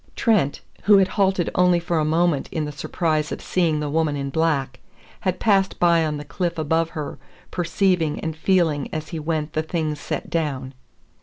Trent, who had halted only for a moment in the surprise of seeing the woman in black, had passed by on the cliff above her, perceiving and feeling as he went the things set down.